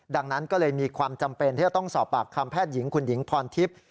ดังนั้นก็เลยมีความจำเป็นที่จะต้องสอบปากคำแพทย์หญิงคุณหญิงพรทิพย์